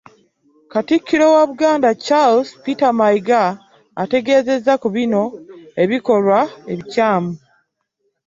Katikkiro wa Buganda, Charles Peter Mayiga, ategeezezza ku bino ebikolwa ebikyamu